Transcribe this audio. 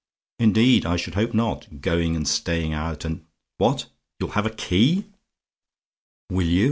Indeed, I should hope not! Going and staying out, and "What! "YOU'LL HAVE A KEY? "Will you?